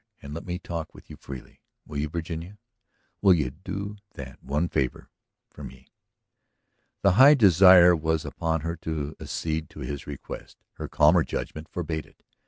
And let me talk with you freely. Will you, Virginia? Will you do that one favor for me?" The high desire was upon her to accede to his request; her calmer judgment forbade it.